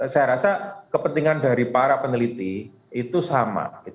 saya rasa kepentingan dari para peneliti itu sama